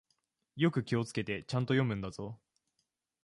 よく気をつけて、ちゃんと読むんだぞ。